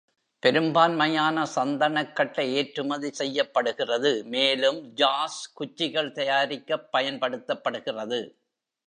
பெரும்பான்மையான சந்தனக்கட்டை ஏற்றுமதி செய்யப்படுகிறது, மேலும் ஜாஸ் குச்சிகள் தயாரிக்கப் பயன்படுத்தப்படுகிறது.